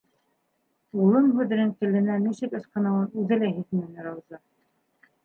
«Улым» һүҙенең теленән нисек ысҡыныуын үҙе лә һиҙмәне Рауза.